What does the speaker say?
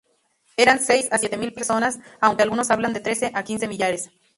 Eran seis a siete mil personas, aunque algunos hablan de trece a quince millares.